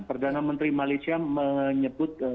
perdana menteri malaysia menyebut